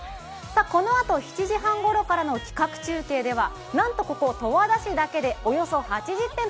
このあと７時半ごろからの企画中継ではなんとここ十和田市だけでおよそ８０店舗